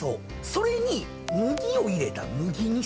それに麦を入れた麦味噌。